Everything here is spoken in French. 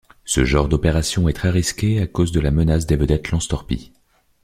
Ce genre d'opération est très risqué à cause de la menace des vedettes lance-torpilles.